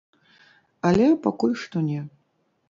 Але пакуль што не.